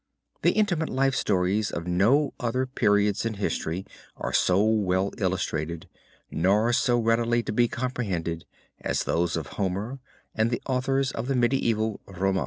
The intimate life stories of no other periods in history are so well illustrated, nor so readily to be comprehended, as those of Homer and the authors of the medieval Romaunt.